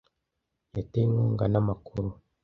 Yatewe inkunga n'amakuru.